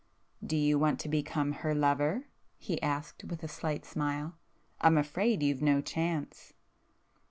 "Do you want to become her lover?" he asked with a slight smile—"I'm afraid you've no chance!"